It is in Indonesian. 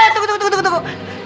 tunggu tunggu tunggu